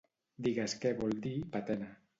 Digues què vol dir patena.